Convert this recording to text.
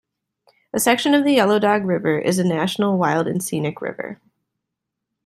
A section of the Yellow Dog River is a National Wild and Scenic River.